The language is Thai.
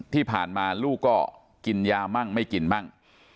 ที่ผ่านมาลูกก็กินยามั่งไม่กินมั่ง